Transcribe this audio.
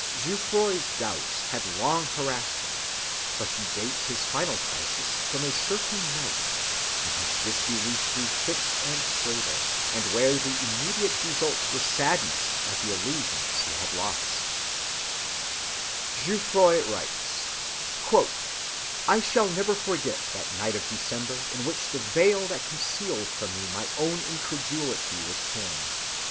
Jouffroy's doubts had long harassed him; but he dates his final crisis from a certain night when his disbelief grew fixed and stable, and where the immediate result was sadness at the illusions he had lost. "I shall never forget that night of December," writes Jouffroy, "in which the veil that concealed from me my own incredulity was torn.